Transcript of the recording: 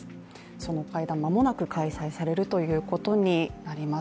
その会談、間もなく開催されるということになります。